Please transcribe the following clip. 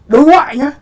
đối ngoại nhá